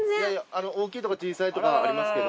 大きいとか小さいとかありますけど。